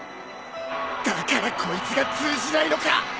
だからこいつが通じないのか！